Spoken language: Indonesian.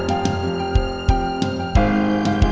mungkin gue bisa dapat petunjuk lagi disini